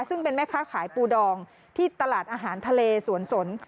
ซึ่งเป็นแม่ค้าขายปูดองที่ตลาดอาหารทะเลสวนสน